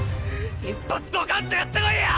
一発ドカンとやってこいや！！